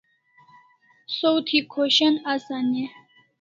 Saw thi khoshan asan e?